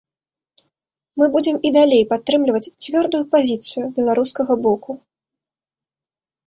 Мы будзем і далей падтрымліваць цвёрдую пазіцыю беларускага боку.